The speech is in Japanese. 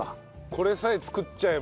これさえ作っちゃえば。